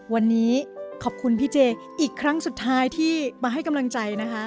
วันนี้ขอบคุณพี่เจอีกครั้งสุดท้ายที่มาให้กำลังใจนะคะ